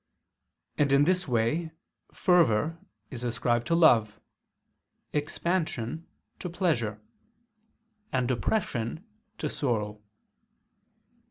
And in this way fervor is ascribed to love, expansion to pleasure, and depression to sorrow.